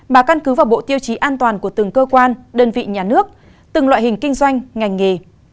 mà căn cứ vào bộ tiêu chí an toàn của từng cơ quan đơn vị nhà nước từng loại hình kinh doanh ngành nghề